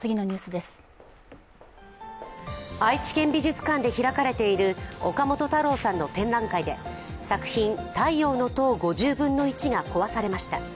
愛知県美術館で開かれている岡本太郎さんの展覧会で作品、太陽の塔５０分の１が壊されました。